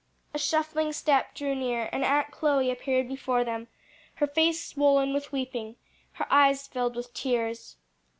A shuffling step drew near, and Aunt Chloe appeared before them, her face swollen with weeping, her eyes filled with tears.